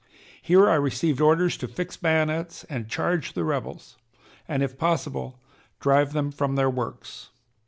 Here I received orders to fix bayonets and charge the rebels, and, if possible, drive them from their works.